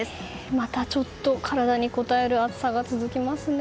また、体にこたえる暑さが続きますね。